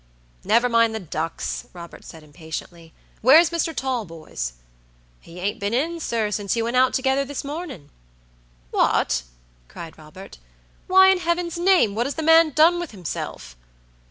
"Never mind the ducks," Robert said impatiently; "where's Mr. Talboys?" "He ain't been in, sir, since you went out together this morning." "What!" cried Robert. "Why, in heaven's name, what has the man done with himself?"